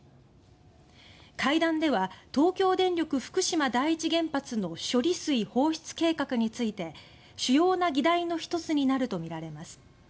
会談では東京電力福島第一原発の処理水放出計画について主要な議題のひとつになるとみられます。